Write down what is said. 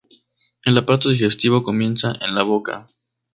El aparato digestivo comienza en la boca.